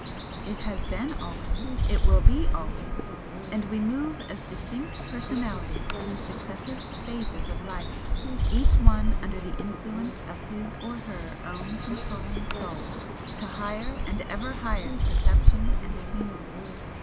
It HAS BEEN always, it WILL BE always, and we move as distinct personalities through successive phases of life, each one under the influence of his or her own controlling Soul, to higher and ever higher perception and attainment.